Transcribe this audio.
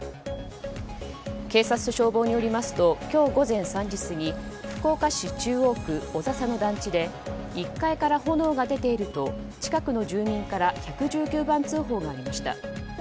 警察と消防によりますと今日午前３時過ぎ福岡市中央区小笹の団地で１階から炎が出ていると近くの住民から１１９番通報がありました。